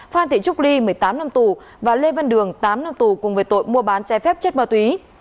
phan thị trúc ly một mươi tám năm tù và lê văn đường tám năm tù cùng với tội mua bán che phép chất ma túy